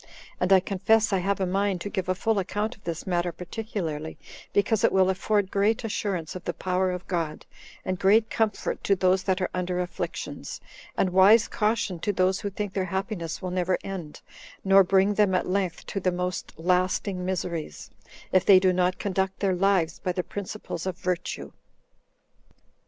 And I confess I have a mind to give a full account of this matter particularly, because it will afford great assurance of the power of God, and great comfort to those that are under afflictions, and wise caution to those who think their happiness will never end, nor bring them at length to the most lasting miseries, if they do not conduct their lives by the principles of virtue.